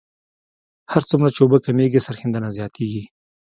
هر څومره چې اوبه کمیږي سریښېدنه زیاتیږي